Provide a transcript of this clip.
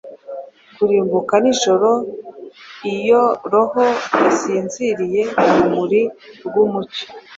kurimbuka nijoro, Iyo roho yasinziriye mu rumuri rw'umucyo.